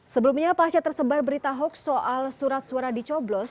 sebelumnya pasca tersebar berita hoax soal surat surat di coblos